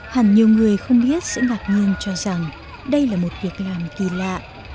hẳn nhiều người không biết sẽ ngạc nhiên cho rằng đây là một việc làm kỳ lạ